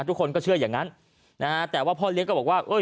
ทุกคนก็เชื่ออย่างนั้นนะฮะแต่ว่าพ่อเลี้ยงก็บอกว่าเอ้ย